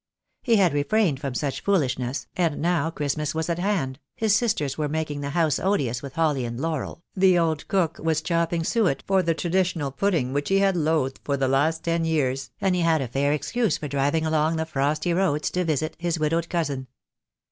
He had refrained from such foolishness, and now Christmas was at hand, his sisters were making the house odious with holly and laurel, the old cook was chopping 284 THE DAY WILL COME. suet for the traditional pudding which he had loathed for the last ten years, and he had a fair excuse for driv ing along the frosty roads to visit his widowed cousin.